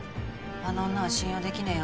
あの女は信用できねぇよ。